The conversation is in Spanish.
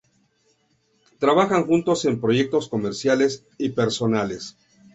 Trabajan juntos en proyectos comerciales y personales.